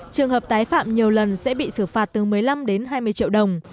trường hợp tái phạm nhiều lần sẽ bị xử phạt từ một mươi năm đến hai mươi triệu đồng